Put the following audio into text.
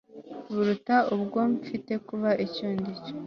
buruta ubwo mfite kuba icyo ndi cyo